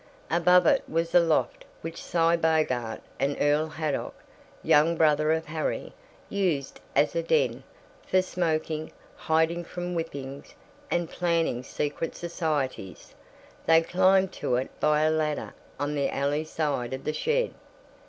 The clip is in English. Above it was a loft which Cy Bogart and Earl Haydock, young brother of Harry, used as a den, for smoking, hiding from whippings, and planning secret societies. They climbed to it by a ladder on the alley side of the shed.